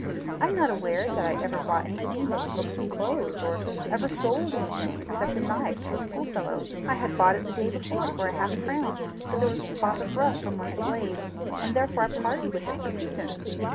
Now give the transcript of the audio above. I am not aware that I ever bought anything except books and clothes, or ever sold anything except a knife to a schoolfellow. I had bought it the day before for half a crown, but there was a spot of rust on one of the blades, and therefore I parted with it for twopence.